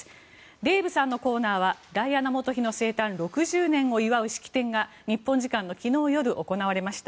デーブさんのコーナーはダイアナ元妃の生誕６０年を祝う式典が日本時間の昨日夜行われました。